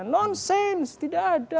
nonsense tidak ada